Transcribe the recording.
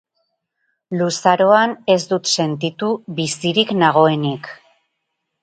Luzaroan ez dut sentitu bizirik nagoenik.